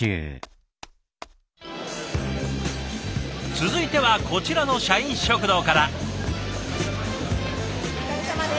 続いてはこちらの社員食堂から。